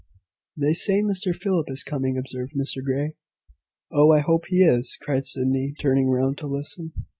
"They say Mr Philip is coming," observed Mr Grey. "Oh, I hope he is!" cried Sydney, turning round to listen.